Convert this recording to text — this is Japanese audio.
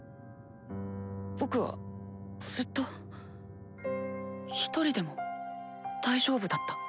僕はずっとひとりでも大丈夫だった。